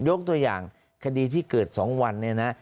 ยกตัวอย่างคดีที่เกิด๒วันเนี่ยนะ